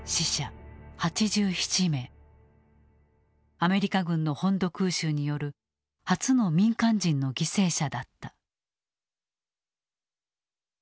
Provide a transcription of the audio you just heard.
アメリカ軍の本土空襲による初の民間人の犠牲者だった。